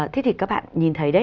thế thì các bạn nhìn thấy đấy